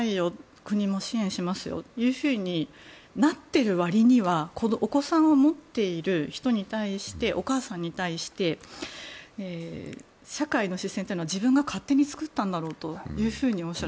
国も支援しますよとなっている割にはお子さんを持っている人に対してお母さんに対して社会の視線というのは自分が勝手に作ったんだろうとおっしゃる。